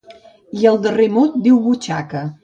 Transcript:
I el darrer mot diu butxaca.